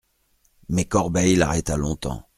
Mais Corbeil l'arrêta longtemps.